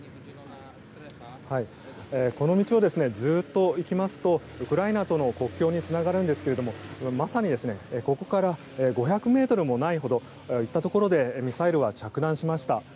この道をずっと行きますとウクライナとの国境につながるんですけれどもまさに、ここから５００ｍもないほど行ったところでミサイルは着弾しました。